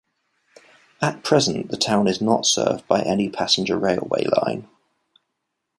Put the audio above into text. At present, the town is not served by any passenger railway line.